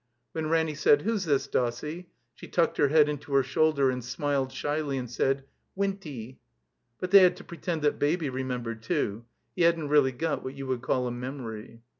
When Ranny said, ''Who's this, Dossie?" she tucked her head into her shoulder and smiled shyly and said, " Winty." But they had to pretend that Baby remembered, too. He hadn't really got what you would call a memory.